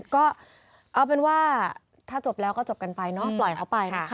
ก็เอาเป็นว่าถ้าจบแล้วก็จบกันไปเนอะปล่อยเขาไปนะคะ